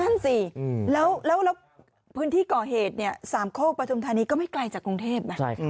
นั่นสิแล้วพื้นที่ก่อเหตุเนี่ยสามโคกปฐุมธานีก็ไม่ไกลจากกรุงเทพนะ